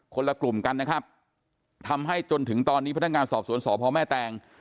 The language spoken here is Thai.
ละกลุ่มกันนะครับทำให้จนถึงตอนนี้พนักงานสอบสวนสพแม่แตง